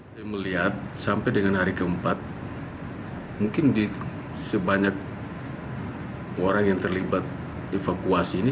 saya melihat sampai dengan hari keempat mungkin di sebanyak orang yang terlibat evakuasi ini